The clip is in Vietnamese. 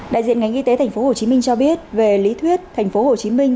đại diện ngành y tế thành phố hồ chí minh cho biết về lý thuyết thành phố hồ chí minh